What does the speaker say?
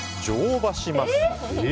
乗馬します！